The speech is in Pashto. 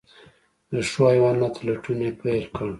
د ښو حیواناتو لټون یې پیل کړ.